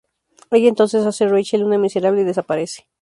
Ella entonces hace a Rachel una miserable y desaparece.